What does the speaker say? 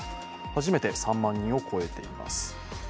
初めて３万人を超えています。